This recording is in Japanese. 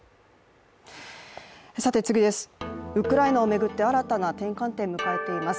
ウクライナを巡って新たな転換点を迎えています。